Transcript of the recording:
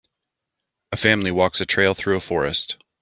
A family walks a trail through a forest.